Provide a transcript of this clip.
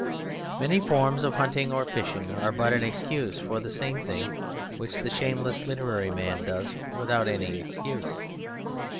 Many forms of hunting or fishing are but an excuse for the same thing which the shameless literary man does without any excuse.